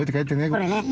これね。